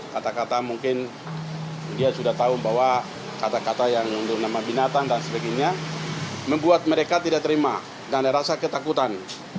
kata kata mungkin dia sudah tahu bahwa kata kata yang bernama binatang dan sebagainya membuat mereka tidak terima dan ada rasa ketakutan